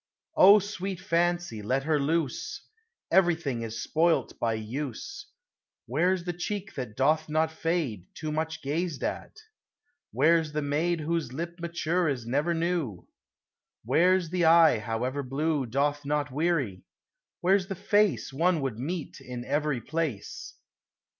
O sweet Fancy ! let her loose ; Everything is spoilt by use : Where 's the cheek that doth not fade, Too much gazed at ? Where 's the maid Whose lip mature is ever new? Where 's the eye, however blue, Doth not weary ? Where 's the face One would meet in every place